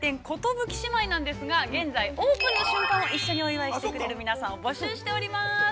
寿姉妹」なんですけれども、現在オープンの瞬間を一緒にお祝いしてくれる、方を募集しています。